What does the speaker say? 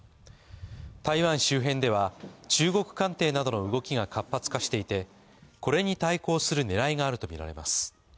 台湾周辺では、中国艦艇などの動きが活発化していてこれに対抗する狙いがあるとみられます。